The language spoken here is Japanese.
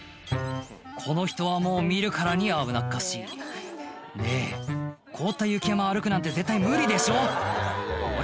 この人はもう見るからに危なっかしいねぇ凍った雪山歩くなんて絶対無理でしょあれ？